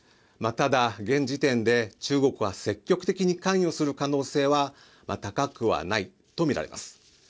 ただ現時点で中国が積極的に関与する可能性は高くはないとみられます。